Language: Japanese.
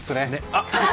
あっ！